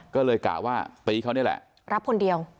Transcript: ก็เลยกะว่าตีเขานี่แหละรับคนเดียว